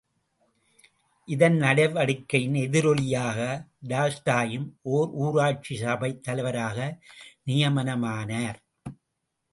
இதன் நடவடிக்கையின் எதிரொலியாக, டால்ஸ்டாயும் ஓர் ஊராட்சி சபைத் தலைவராக நியமனமானார்.